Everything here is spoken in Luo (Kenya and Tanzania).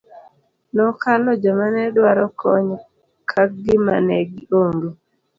Nokalo joma ne dwaro kony ka gima ne gi ong'e.